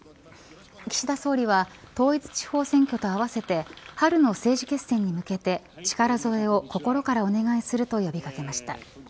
岸田総理は統一地方選挙と合わせて春の政治決戦に向けて力添えを心からお願いすると呼び掛けました。